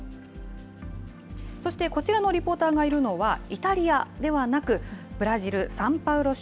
そしてこちらのリポーターがいるのは、イタリアではなく、ブラジル・サンパウロ州。